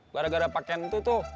gara gara pakaian itu tuh